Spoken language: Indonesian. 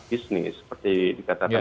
bisnis seperti dikatakan